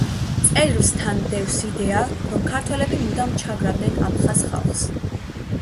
წერილს თან დევს იდეა, რომ ქართველები მუდამ ჩაგრავდნენ აფხაზ ხალხს.